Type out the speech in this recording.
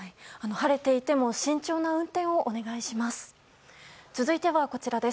晴れていても慎重な運転をお願いします。